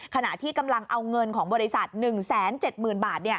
ขณะที่กำลังเอาเงินของบริษัท๑๗๐๐๐บาท